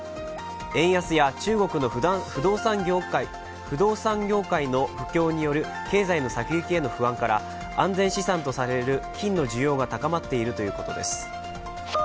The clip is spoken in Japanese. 円安や、中国の不動産業界の不況による経済の先行きへの不安から安全資産とされる金の需要が高まっているということです。